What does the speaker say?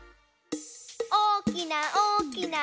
おおきなおおきな